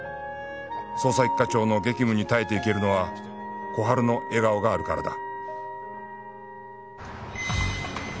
捜査一課長の激務に耐えていけるのは小春の笑顔があるからだ